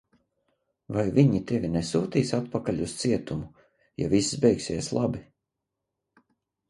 Vai viņi tevi nesūtīs atpakaļ uz cietumu, ja viss beigsies labi?